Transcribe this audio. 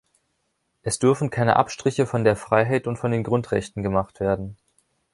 Es dürfen keine Abstriche von der Freiheit und von den Grundrechten gemacht werden!